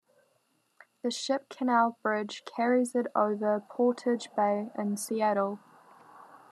The Ship Canal Bridge carries it over Portage Bay in Seattle.